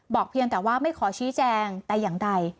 เพียงแต่ว่าไม่ขอชี้แจงแต่อย่างใด